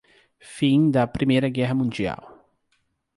Fim da Primeira Guerra Mundial